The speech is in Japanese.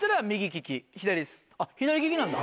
あっ左利きなんだ。